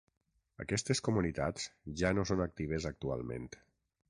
Aquestes comunitats ja no són actives actualment.